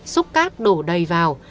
xúc cát đổ đầy vào